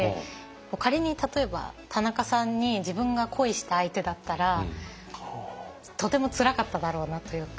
仮に例えば田中さんに自分が恋した相手だったらとてもつらかっただろうなというか。